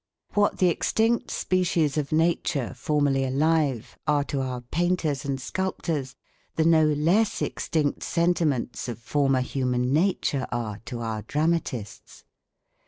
What the extinct species of nature formerly alive are to our painters and sculptors, the no less extinct sentiments of former human nature are to our dramatists.